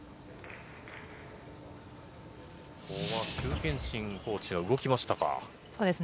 邱建新コーチが動きましたか。